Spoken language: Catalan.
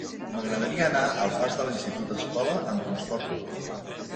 M'agradaria anar al pas de l'Institut Escola amb trasport públic.